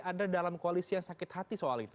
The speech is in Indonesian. ada dalam koalisi yang sakit hati soal itu